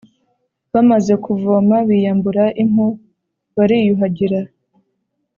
bamaze kuvoma biyambura impu bariyuhagira.